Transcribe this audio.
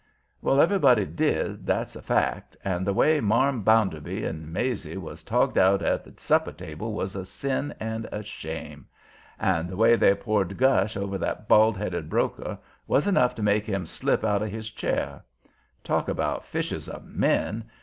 Well, everybody did, that's a fact, and the way Marm Bounderby and Maizie was togged out at the supper table was a sin and a shame. And the way they poured gush over that bald headed broker was enough to make him slip out of his chair. Talk about "fishers of men"!